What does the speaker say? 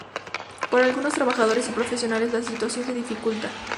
Para algunos trabajadores y profesionales la situación se dificulta.